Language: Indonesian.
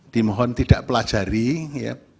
dimohon tidak pelajari ya